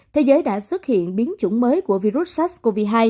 thế giới đã xuất hiện biến chủng mới của virus sars cov hai